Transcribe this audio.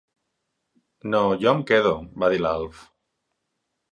No, jo em quedo —va dir l'Alf—.